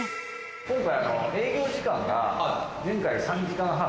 今回。